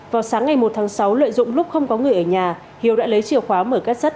vào sáng ngày một tháng sáu lợi dụng lúc không có người ở nhà hiếu đã lấy chìa khóa mở các sắt